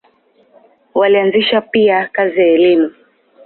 Walianzisha pia kazi ya elimu.